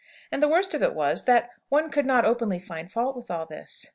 And the worst of it was, that one could not openly find fault with all this.